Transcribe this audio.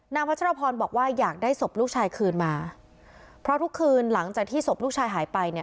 พัชรพรบอกว่าอยากได้ศพลูกชายคืนมาเพราะทุกคืนหลังจากที่ศพลูกชายหายไปเนี่ย